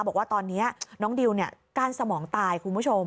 บอกว่าตอนนี้น้องดิวกั้นสมองตายคุณผู้ชม